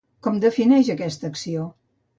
Com defineix aquesta acció?